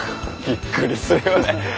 びっくりするよね。